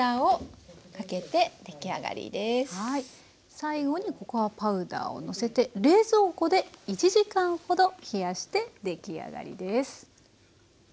最後にココアパウダーをのせて冷蔵庫で１時間ほど冷やして出来上がりです。